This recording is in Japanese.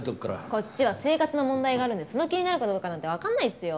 こっちは生活の問題があるんでその気になるかどうかなんてわかんないっすよ。